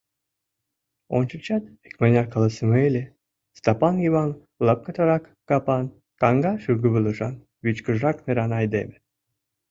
Ончычат икмыняр каласыме ыле, Стапан Йыван лапкатарак капан, каҥга шӱргывылышан, вичкыжрак неран айдеме.